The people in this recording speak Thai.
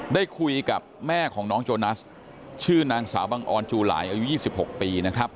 ได้คุยกับแม่ของน้องโจนัสชื่อนางสาวบังออนจูหลายอายุ๒๖ปีนะครับ